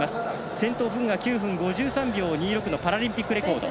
先頭フグが９分５３秒２６のパラリンピックレコード。